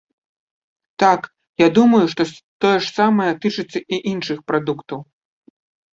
Так, я думаю, што тое ж самае тычыцца і іншых прадуктаў.